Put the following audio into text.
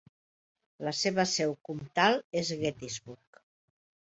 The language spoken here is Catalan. La seva seu comtal és Gettysburg.